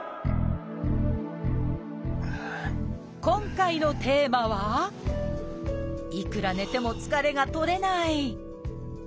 今回のテーマはいくら寝ても疲れが取れない。